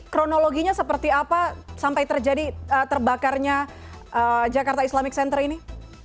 kronologinya seperti apa sampai terjadi terbakarnya jakarta islamic center ini